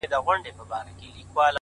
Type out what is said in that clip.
هسي نه هغه باور؛